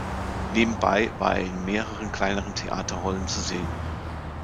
Nebenbei war er in mehreren kleineren Theaterrollen zu sehen.